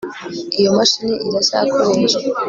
iyo mashini iracyakoreshwa